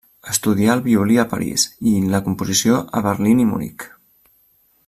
Estudià el violí a París i la composició a Berlín i Munic.